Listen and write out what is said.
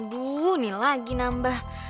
aduh ini lagi nambah